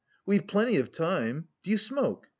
"We've plenty of time. Do you smoke?